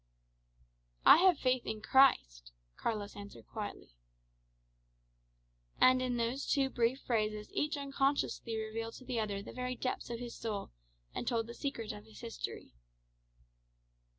"I have faith in Christ," Carlos answered quietly. And in those two brief phrases each unconsciously revealed to the other the very depths of his soul, and told the secret of his history.